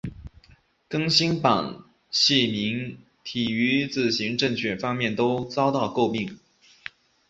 更新版细明体于字形正确方面都遭到诟病。